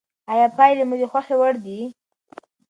آیا پایلې مو د خوښې وړ دي؟